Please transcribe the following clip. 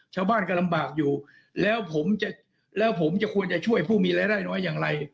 ชาวบ้านก็ลำบากอยู่แล้วผมจะแล้วผมจะควรจะช่วยผู้มีรายได้น้อยอย่างไร